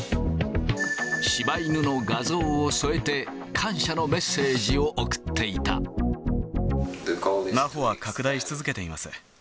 柴犬の画像を添えて、感謝のナフォは拡大し続けています。